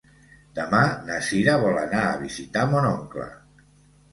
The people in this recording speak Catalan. Demà na Sira vol anar a visitar mon oncle.